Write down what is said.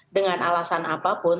dengan alasan apapun